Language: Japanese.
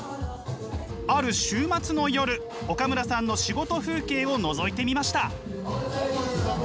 ある週末の夜岡村さんの仕事風景をのぞいてみました。